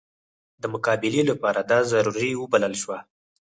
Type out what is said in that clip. د مقابلې لپاره دا ضروري وبلله شوه.